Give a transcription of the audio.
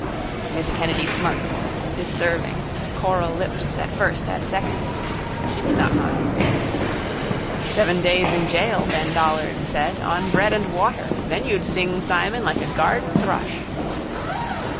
Miss Kennedy smirked, disserving, coral lips, at first, at second. She did not mind. —Seven days in jail, Ben Dollard said, on bread and water. Then you'd sing, Simon, like a garden thrush.